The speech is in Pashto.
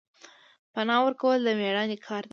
پنا ورکول د میړانې کار دی